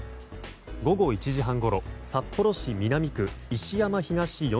午後１時半ごろ札幌市南区石山東４